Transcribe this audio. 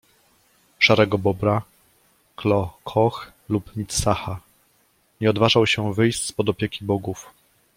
Szarego Bobra, Kloo-Kooch lub Mit-Saha. Nie odważał się wyjść spod opieki bogów